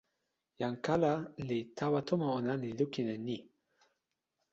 jan kala li tawa tomo ona, li lukin e ni: